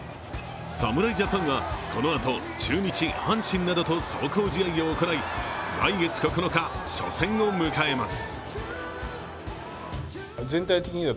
侍ジャパンはこのあと、中日、阪神などと壮行試合を行い、来月９日初戦を迎えます。